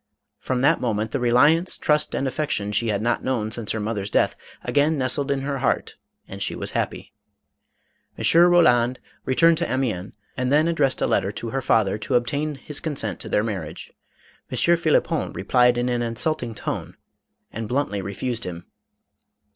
From that moment the reliance, trust, and affection she had not known since her mother's death, again nestled in her heart and she was happy. M. Roland returned to Amiens and then addressed a letter to her father to ob tain his consent to their marriage. M. Phlippon re plied in an insulting tone and bluntly refused him.